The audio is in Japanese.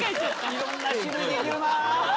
いろんな種類できるな！